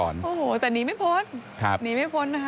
โอ้โหแต่หนีไม่พ้น